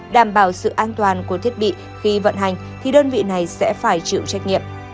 đảm bảo sự an toàn của thiết bị khi vận hành thì đơn vị này sẽ phải chịu trách nhiệm